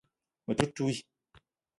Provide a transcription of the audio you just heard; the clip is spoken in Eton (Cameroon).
Me te ntouii